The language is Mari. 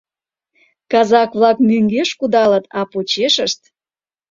Казак-влак мӧҥгеш кудалыт, а почешышт: